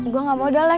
gue gak mau udah leh